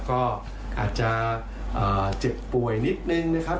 ก็อาจจะเจ็บป่วยนิดนึงนะครับ